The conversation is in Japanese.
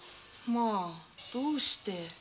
まあどうして？